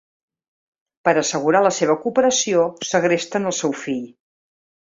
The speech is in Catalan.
Per a assegurar la seva cooperació, segresten el seu fill.